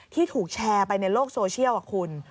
ที่ถูกแชร์ไปในโลกโซเชียลคุณ